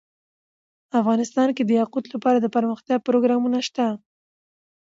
افغانستان کې د یاقوت لپاره دپرمختیا پروګرامونه شته.